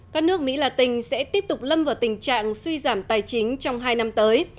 các nước mỹ latin sẽ tiếp tục lâm vào tình trạng suy giảm tài chính trong hai năm tới